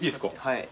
はい。